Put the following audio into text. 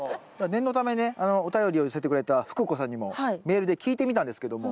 念のためねお便りを寄せてくれた福子さんにもメールで聞いてみたんですけども。